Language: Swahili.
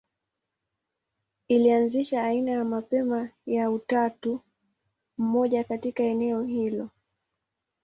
Ilianzisha aina ya mapema ya utatu mmoja katika eneo hilo.